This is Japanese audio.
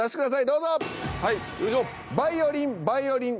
どうぞ。